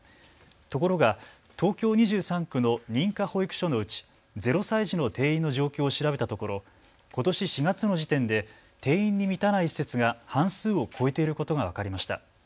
ところが東京２３区の認可保育所のうち０歳児の定員の状況を調べたところことし４月の時点で定員に満たない施設が半数を超えていることが分かりました。